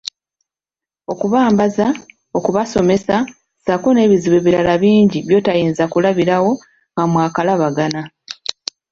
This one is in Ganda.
Okubambaza, okubasomesa, ssaako n'ebizibu ebirala bingi by'otayinza kulabirawo nga mwakalabagana.